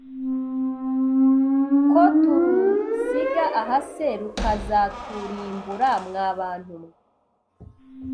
Ko turusiga aha se rukazaturimbura mwabantumwe